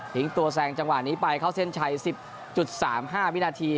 ตัวแซงจังหวะนี้ไปเข้าเส้นชัย๑๐๓๕วินาที